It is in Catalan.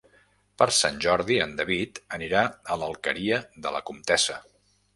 Per Sant Jordi en David anirà a l'Alqueria de la Comtessa.